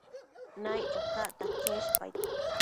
Naiccho cacta cheshpaid